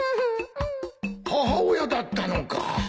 母親だったのか！